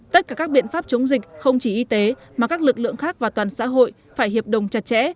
tất cả các biện pháp chống dịch không chỉ y tế mà các lực lượng khác và toàn xã hội phải hiệp đồng chặt chẽ